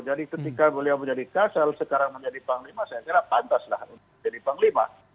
jadi ketika beliau menjadi kasal sekarang menjadi panglima saya kira pantaslah jadi panglima